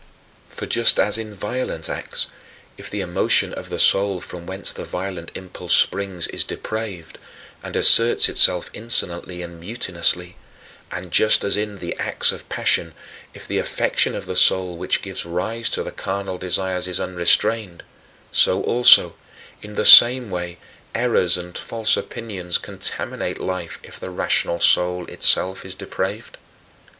25. For just as in violent acts, if the emotion of the soul from whence the violent impulse springs is depraved and asserts itself insolently and mutinously and just as in the acts of passion, if the affection of the soul which gives rise to carnal desires is unrestrained so also, in the same way, errors and false opinions contaminate life if the rational soul itself is depraved.